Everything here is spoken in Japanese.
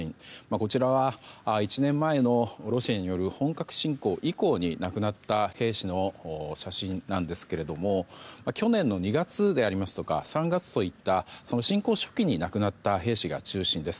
こちらは１年前のロシアによる本格侵攻以降に亡くなった兵士の写真なんですが去年の２月でありますとか３月といった侵攻初期に亡くなった兵士が中心です。